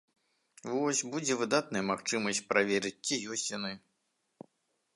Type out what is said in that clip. Вось будзе выдатная магчымасць праверыць, ці ёсць яны.